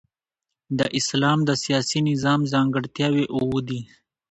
د اسلام د سیاسي نظام ځانګړتیاوي اووه دي.